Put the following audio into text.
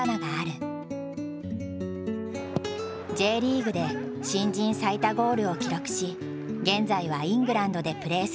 Ｊリーグで新人最多ゴールを記録し現在はイングランドでプレーする三笘。